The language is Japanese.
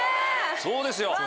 そうですよ。